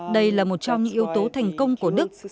đây là một trong những yếu tố thành công của đức